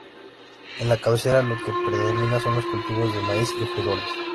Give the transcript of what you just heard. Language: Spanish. En la cabecera lo que predomina son los cultivos de maíz y frijoles.